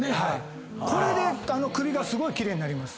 これで首がすごい奇麗になります。